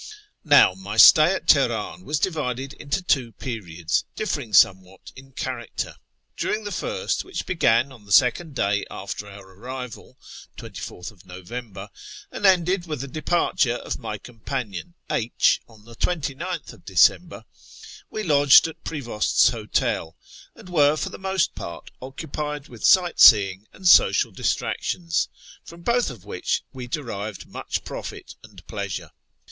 Now, my stay at Teheran was divided into two periods, differing somewhat in character. During the first, which began on the second day after our arrival (24th November), and ended with the departure of my companion H • on I 29th December, we lodged at Prevost's Hotel, and were for the most part occupied with sight seeing and social distractions, 84 A YEAR AMONGST THE PERSIANS from both of which we derived much profit ;uul i)leasure.